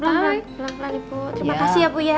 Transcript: selamat pelan pelan ibu terima kasih ya bu ya